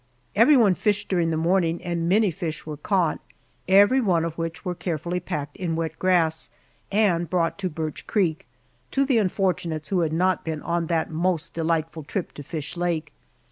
Everyone fished during the morning and many fish were caught, every one of which were carefully packed in wet grass and brought to Birch Creek, to the unfortunates who had not been on that most delightful trip to Fish Lake.